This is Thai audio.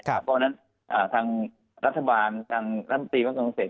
เพราะฉะนั้นทางรัฐบาลทางรัฐมนตรีวัฒนศักดิ์เศรษฐ์